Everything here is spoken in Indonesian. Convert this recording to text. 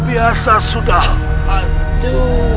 biasa sudah hantu